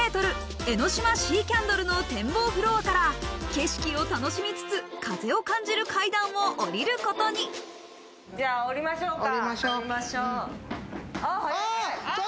江の島シーキャンドルの展望フロアから景色を楽しみつつ風を感じる階段をじゃあ下りましょうか。